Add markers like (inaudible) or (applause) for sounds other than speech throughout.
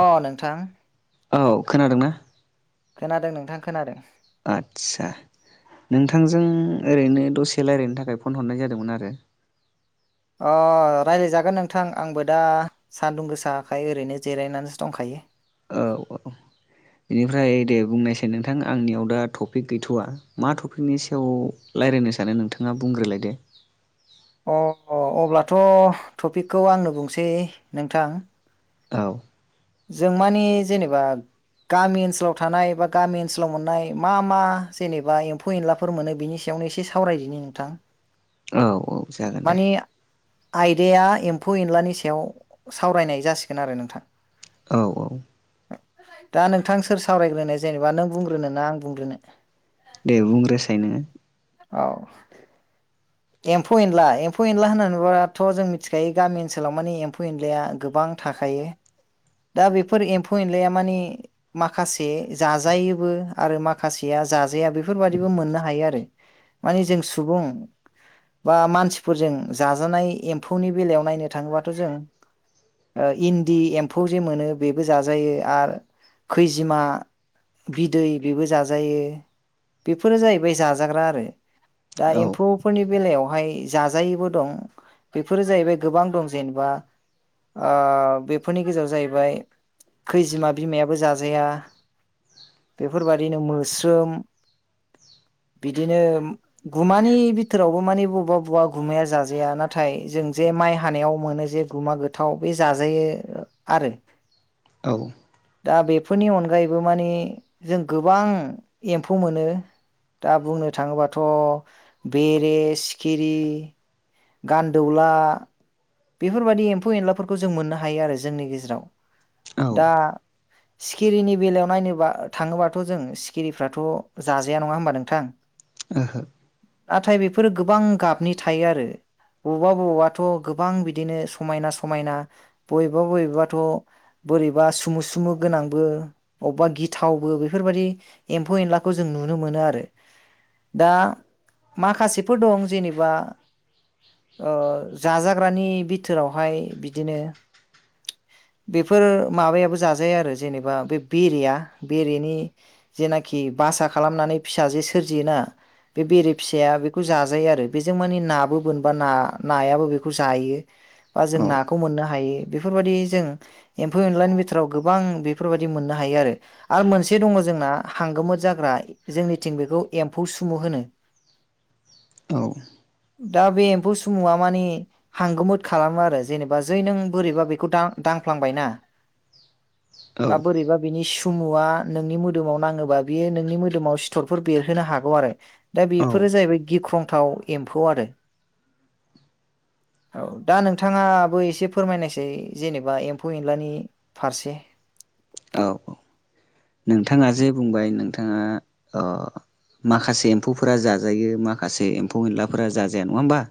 अ नोंथां। औ खोनादों ना? खोनादों नोंथां खोनादों। आदसा नोंथांजों ओरैनो दसे रायलायनो थाखाय फन हरनाय जादोंमोन आरो। अ रायलायजागोन नोंथां आंबो दा सान्दुं गोसाखाय ओरैनो जेरायनानैसो दंखायो। औ औ। बेनिफ्राय दे बुंनायसाय नोंथां आंनियाव दा टपिक गैथ'वा मा टपिकनि सायाव लायरायनो सानो नोंथांङा बुंग्रोलाय दे। अ अ अब्लाथ' टपिकखौ आंनो बुंसै नोंथां। औ जों माने जेनेबा गामि ओनसोलाव थानाय बा गामि ओनसोलाव मोननाय मा मा जेनेबा एम्फौ एनला फोर मोनो बिनि सायावनो एसे सावरायदिनि नोंथां। औ औ जागोन दे। मानि आयदाया एम्फौ एनलानि सायाव सावरायनाय जासिगोन आरो नोंथां। औ औ दा नोंथां सोर सावरायग्रोनो जेनेबा नों बुंग्रोनो ना आं बुंग्रोनो? दे बुंग्रोसाय नोङो। औ एम्फौ एनला एम्फौ एनला होननानैबाथ' जों मिथिखायो गामि ओनसोलाव मानि एम्फौ एनलाया गोबां थाखायो। दा बेफोर एम्फौ एनलाया मानि माखासे जाजायोबो आरो मा खासेया जाजाया बेफोरबादिबो मोननो हायो आरो माने जों सुबुं बा मानसिफोरजों जाजानाय एम्फौनि बेलायाव नायनो थाङोबाथ' जों इन्दि एम्फौ जे मोनो बेबो जाजायो आरो खैजिमा बिदै बेबो जाजायो बेफोरो जाहैबाय जाजाग्रा आरो। दा औ एम्फौ फोरनि बेलायावहाय जाजायैबो दं बेफोरो जाहैबाय गोबां दं जेनेबा अ बेफोरनि गेजेराव जाहैबाय खैजिमा बिमायाबो जाजाया बेफोरबादिनो मोस्रोम बिदिनो गुमानि बि थोरावबो मानि बबेबा बबेबा गुमाया जाजाया नाथाय जों जे माइ हानायाव मोनो जे गुमा गो थाव बे जाजायो आरो। औ दा बेफोरनि अनगायैबो माने जों गोबां एम्फौ मोनो। दा बुंनो थाङोबाथ' बेरे, सिखिरि, गान्दौला बेफोरबादि एम्फौ एनलाफोरखौ जों मोननो हायो आरो जोंनि गेजेराव औ दा (inaudible) सिखिरिनि बेलायाव नायनोबा थाङोबाथ' जों सिखिरिफ्राथ' जाजाया नङा होमबा नोंथां? ओहो नाथाय बेफोरो गोबां गाबनि थायो आरो बबा बबाथ' गो बां बिदिनो समायना समायना बबेबा बबेबाथ' बोरैबा सुमु सुमु गोनांबो बबेबा गिथावबो बेफोरबादि एम्फौ एनलाखौ जों नुनो मोनो आरो। दा माखासेफोर दं जेनेबा अ जाजाग्रानि बिथोरावहाय बिदिनो। बेफोर माबायाबो जाजाया आरो जेनेबा बे बेरेया बेरेनि जेनाखि बासा खालामनानै फिसाजो सोरजियोना बे बेरे फिसाया बेखौ जाजायो आरो बेजों मानि नाबो बोनबा नायाबो बे खौ जायो बा जों ओहो नाखौ मोननो हायो बेफोरबादि जों एम्फौ एनलानि बिथोराव गोबां बेफोरबायदि मोननो हायो आरो। आरो मोनसे दङ जोंना हांगोमो जाग्रा जोंनिथिं बेखौ एम्फौ सुमु होनो। औ दा बे एम्फौ सुमुआ मानि हांगोमोत खालामो आरो जेनेबा जै नों बोरैबा बेखौ दां दांफ्लांबाय ना औ बा बोरैबा बिनि सु मुआ नोंनि मोदोमाव नाङोबा बेयो नोंनि मोदोमाव सिथरफोर बेरहोनो हागौ आरो। दा औ बेफोरो जाहैबाय गिख्रंथाव एम्फौ आरो। औ दा नोंथाङाबो एसे फोरमायनायसै जेनेबा एम्फौ एनलानि फारसे। औ औ। नोंथाङा जे बुंबाय नोंथाङा अ माखासे एम्फौफोरा जाजायो, माखासे एम्फौ एनलाफोरा जाजाया नङा होमबा?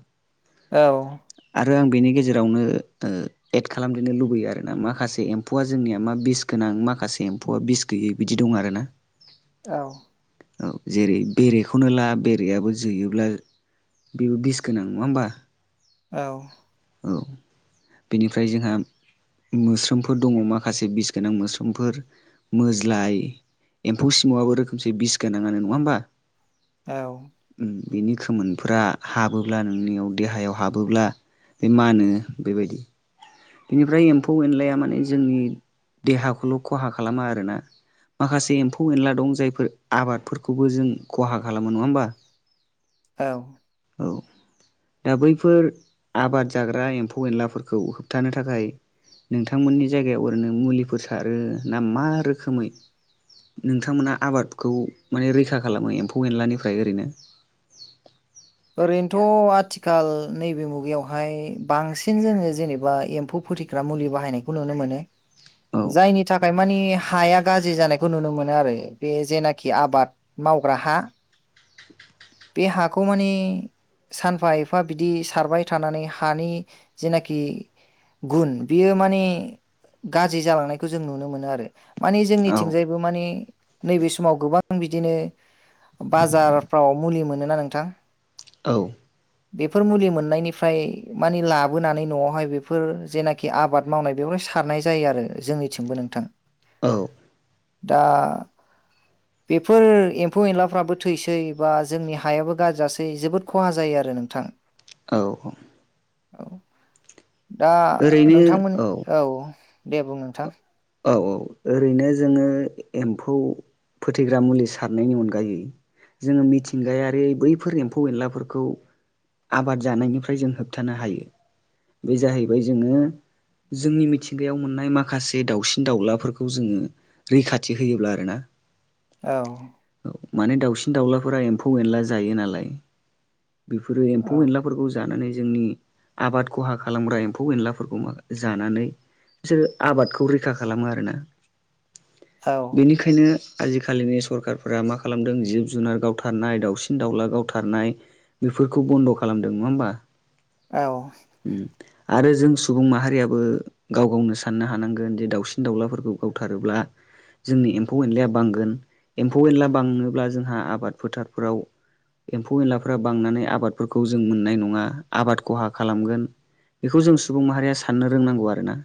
औ। आरो आं बेनि गेजेरावनो एड खालामदेरनो लुबैयो आरोना माखासे एम्फौआ जोंनिया मा बिस गोनां माखासे एम्फौआ बिस गैयै बिदि दं आरोना। औ। औ जेरै बेरेखौनो ला बेरेाबो जोयोब्ला बेबो बिस गोनां नङा होनोमबा? औ। औ। बेनिफ्राय जोंहा मोस्रोमफोर दङ माखासे बिस गोनां मोस्रोमफोर। मोज्लाय एम्फौ सिमावआबो रोखोमसे बिस गोनाङानो नङा होमबा? औ। बिनि खोमोनफ्रा हाबोब्ला नोंनियाव देहायाव हाबोब्ला बे मानो बेबायदि। बेनिफ्राय एम्फौ एनलाया माने जोंनि देहाखौल' खहा खालामा आरोना। माखासे एम्फौ एनला दं जायफोर आबादफोरखौबो जों खहा खालामो नङा होमबा? (inaudible) औ। औ। दा बैफोर आबाद जाग्रा एम्फौ एनलाफोरखौ होबथानो थाखाय नोंथांमोननि जायगायाव ओरैनो मुलिफोर सारो ना मा रोखोमै नोंथांमोना आबादखौ मारै रैखा खालामो एम्फौ एनलानिफ्राय ओरैनो? ओरैनोथ' आथिखाल नैबे मुगायावहाय बांसिन जोङो जेनेबा एम्फौ फोथै फ्रा मालि बाहनायखौ नुनो मोनो। औ जायनि थाखाय मानि हाया गाज्रि जानाय खौ नुनो मोनो आरो बे जेनाखि आबाद मावग्रा हा बे हाखौ माने सानफा एफा बिदि सारबाय थानानै हानि जेनाखि गुन बियो मानि गाज्रि जालांनायखौ जों नुनो मोनो आरो। मानि औ जोंनिथिंजाय बो माने नैबे समाव गोबां बिदिनो बाजारफ्राव मुलि मोनोना नोंथां? औ। बेफोर मुलि मोननायनिफ्राय मानि लाबोनानै न'आवहाय बेफोर जेनाखि खि आबाद मावनाय बेयावहाय सारनाय जायो आरो जोंनिथिंबो नोंथां। औ। औ दा बेफोर एम्फौ एनलाफ्राबो थैसै बा जोंनि हायाबो गाज्रि जासै जोबोद खहा जायो आरो नोंथां। औ औ। दा नोंथांमोन औ दे बुं नोंथां। औ औ। ओरैनो जोङो एम्फौ फोथैग्रा मुलि सारनायनि अनगायै जोङो मिथिंगायारि बैफोर एम्फौ एनलाफोरखौ आबाद जानायनिफ्राय जों होबथानो हायो। बे जाहैबाय जोङो जोंनि मिथिंगायाव मोननाय माखा से दाउसिन दाउलाफोरखौ जोङो रैखाथि होयोब्ला आरो ना। औ। औ माने दाउसिन - दाउलाफोरा एम्फौ - एनला जायो नालाय। बेफोरो औ एम्फौ - एनलाफोरखौ जानानै जोंनि आबाद खहा खालामग्रा एम्फौ - एनलाफोरखौ जानानै बिसोरो आबाद (unintelligible) रैखा खालामो आरोना। औ बेनिखायनो आजिखालिनि सरखारफोरा मा खालामदों जिब- जुनार गावथारनाय दाउसिन- दावला गावथारनाय बेफोरखौ बन्द' खालामदों नङा होमबा? औ। ओम आरो जों सुबुं माहारियाबो गाव - गावनो साननो हानांगोन। (unintelligible) जे दाउसिन- दाउलाफोरखौ गावथारोब्ला जोंनि एम्फौ- एनलाया बांगोन। एम्फौ- एनला बाङोब्ला जोंहा आबाद फोथारफोराव एम्फौ -एनलाफ्रा बांनानै आबादफोरखौ जों मोननाय नङा। आबाद खहा खालामगोन। बेखौ जों सुबुं माहारिया साननो रोंनांगौ आरो ना।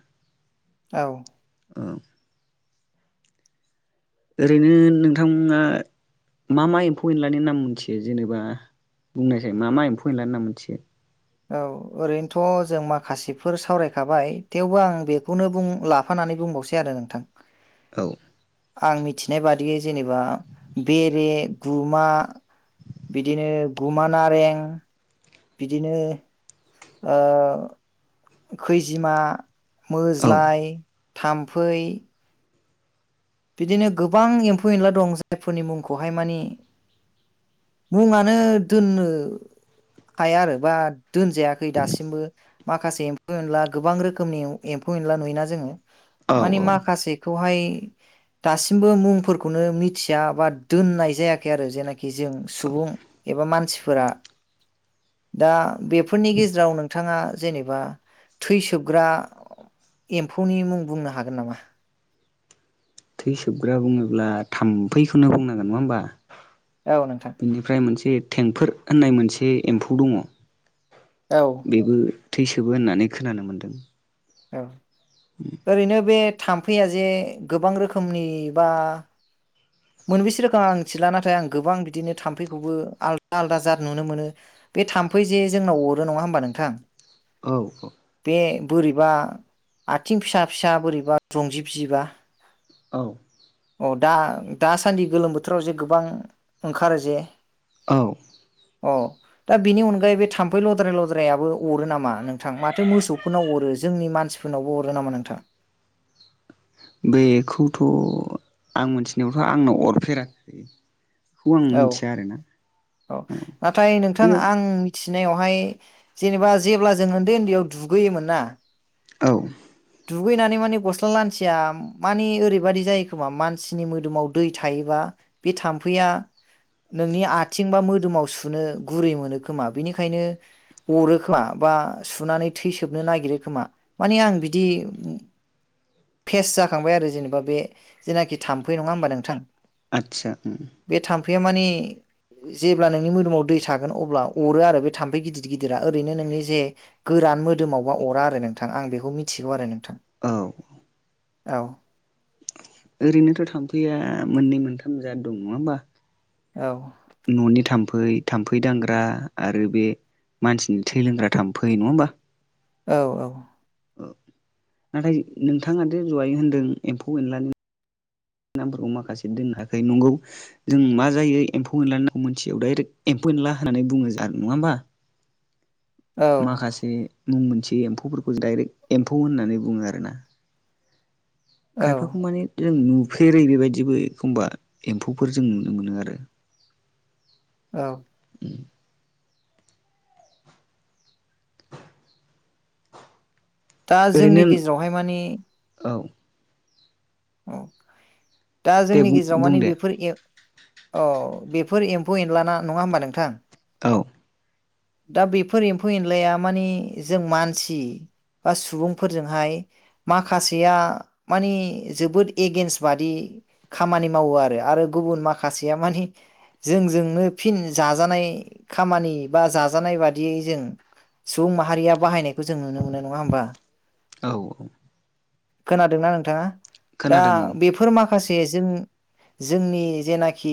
औ। औ। ओरैनो नोंथाङा मा -मा एम्फौ- एनलानि नाम मोनथियो जेनेबा बुंनायसाय, मा- मा एम्फौ -एनलानि नाम मोनथियो। औ ओरैनोथ' जों माखासेफोर सावरायखाबाय। थेवबो आं बेखौनो (unintelligible) (unintelligible) बुंबावसै आरो नोंथां। औ। आं मिथिनाय बादियै जेनेबा बेरे गुमा बिदिनो गुमा नारें बिदिनो ओ खैजिमा, औ मोज्लाय, थाम्फै बिदिनो गोबां एम्फौ - एनला दं जायफोरनि मुंखौहाय मानि मुङानो दोननो हाया आरो बा दोनजायाखै दासिमबो। माखासे एम्फौ- एनला गोबां रोखोमनि एम्फौ- एनला नुयोना जोङो? औ मानि औ माखासेखौहाय दासिमबो मुंफोरखौनो मिथिया बा दोननाय जायाखै आरो जेनाखि जों सुबुं एबा मानसिफोरा दा बेफोरनि गेजेराव नोंथाङा जेनेबा थै सोबग्रा एम्फौनि मुं बुंनो हागोन नामा? थै सोबग्रा बुङोब्ला थाम्फैखौनो बुंनांगोन नङा होमबा? औ नोंथां। बेनिफ्राय मोनसे टेंफोर होननाय मोनसे एम्फौ दङ। औ। बेबो थैसोबो होननानै खोनानो मोन्दों। औ, ओरैनो बे थाम्फैया जे गोबां रोखोमनि बा मोनबेसे रोखोम आं मिथिला नाथाय आं गोबां बिदिनो थाम्फैखौबो आलादा -आलादा जात नुनो मोनो। बे थाम्फै जे जोंनाव अरो नङा होमबा नोंथां? औ औ। बे बोरैबा आथिं फिसा- फिसा बोरैबा रंजिब जिबा औ। अ दा - दासान्दि गोलोम बोथोराव जे गोबां ओंखारो जे औ। अ। दा बिनि अनगायै बे थाम्फै लद्राय - लद्रायाबो अरो नामा नोंथां? माथो मोसौफोरनाव अरो जोंनि मानसिफोर (unintelligible) अरो नामा नोंथां? बेखौथ' आं मोनथिनायावथ' आंनाव अरफेराखै। बेखौ आं औ मिथिया आरोना औ नाथाय नोंथां खिन्थु आं थिनायावहाय जेनेबा जेब्ला जों उन्दै उन्दैयाव दुगैयोमोन ना औ। दुगैनानै माने गस्ला लानसिया मानि ओरैबायदि जायो खोमा मानसिनि मोदोमाव दै थायोबा बे थाम्फैया नोंनि आथिं बा मोदोमाव सुनो गुरै मोनो खोमा बेनिखायनो अरो खोमा बा सुनानै थै सोबनो नागिरो खोमा मानि आं बि दि फेस जाखांबाय आरो जेनेबा बे जेनाखि थाम्फै नङा होमबा नोंथां आदसा। बे थाम्फैया माने जेब्ला नोंनि मोदोमाव दै थागोन अब्ला अरो आरो बे थाम्फै गिदिर गिदिरा ओरैनो नोंनि जे गोरान मोदोमावबा अरा आरो नोंथां आं बेखौ मिथिगौ आरो नोंथां। औ। औ ओरैनोथ' थांफैया मोननै मोनथाम जाद दं नङा होमबा। औ। न'नि थाम्फै थाम्फै दांग्रा आरो बे मानसिनि थै लोंग्रा थामफै नङा होमबा। औ औ। औ नाथाय नोंथाङाथे दहाय होनदों एम्फौ एनलानि नामफोरखौ माखासे दोननो हाखायो नंगौ। जों मा जायो एम्फौ एनला नांगौ मोनथियाव दडाइरेक्ट एम्फौ एनला होननानै बुङो नङा होमबा।। औ माखासे मुं मोनसे एम्फौफोरखौ डायरेक्ट एम्फौ होननानै बुङो आरोना। औ खायफाखौ माने जों नुफेरै बेबायदिबो एखमबा एम्फौफोर जों नुनो मोनो आरो। (inaudible) औ। उम दा जोंनि ओरैनो गेजेरावहाय मानि औ। औ दा दे जोंनि बुं गेजेराव बुं मानि दे बेफोर एप औ बेफोर एम्फौ एनलाना नङा होमबा नोंथां? औ। दा बेफोर एम्फौ एनलाया माने जों मानसि बा सुबुंफोरजोंहाय माखासेया मानि जोबोद एगेेनस्ट बादि खामानि मावो आरो आरो गुबुन माखासेया मानिे जोंजोंनो फिन जाजानाय खामानि बा जाजानाय बाददियै जों सुबुं माहारिया बाहायनायखौ जों नुनो मोनो नङा होमबा। औ। खोनादोंना नोंथाङा दा खोनादों बेफोर माखासे जों जोंनि जेनाखि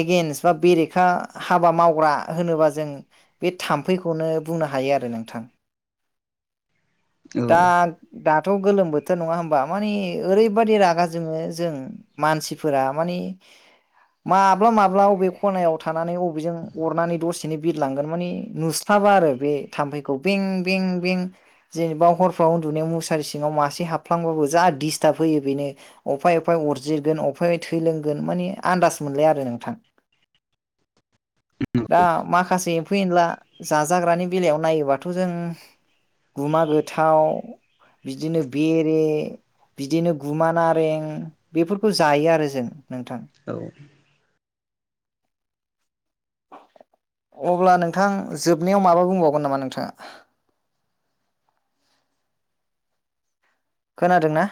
एगेनस् बा बेरेखा हाबा मावग्रा होनोबा जों बे थाम्फैखौनो बुंनो हायो आरो नोंथां। औ दा दाथ' गोलोम बोथोर नङा होमबा मानिे ओरैबाददि रागा जोङो जों मानसिफोरा माने माब्ला माब्ला अबे खनायाव थानानै अबेजों अरनानै दसे बिदिनो बिरलांगोन माने नुस्लाबा आरो बे थाम्फैखौ बिं बिं बिं। जेनेबा हरफ्राव उन्दुनायाव मुसारि सिङाव मासे हाबफ्लांबाबो जा दिडिस्टार्ब होयो बेनो। अफाय उफाय अरजिरगोन अफाय थै लोंगोन मानि आन्दास मोनलाय आरो नोंथां दा माखासे एमफौ एनला जाजाग्रानि बेलायाव नायोबाथ' जों गुमा गोथाव बिदिनो बेरे बिदिनो गुमा नारें बेफोरखौ जायो आरो जों नोंथां औ अब्ला नोंथां जोबनायाव माबा बुंबावगोन नामा नोंथाङा खोनादों ना